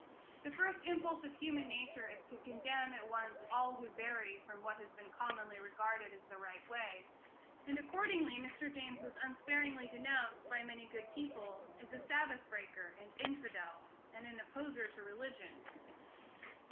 The first impulse of human nature is to condemn at once all who vary from what has been commonly regarded as the right way; and, accordingly, Mr. James was unsparingly denounced, by many good people, as a Sabbath breaker, and infidel, and an opposer to religion.